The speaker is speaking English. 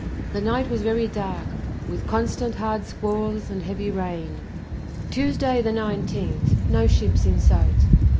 The night was very dark, with constant hard squalls and heavy rain. Tuesday, the 19th, no ships in sight.